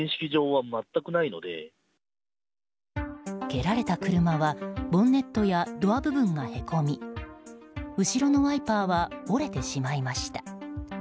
蹴られた車はボンネットやドア部分がへこみ後ろのワイパーは折れてしまいました。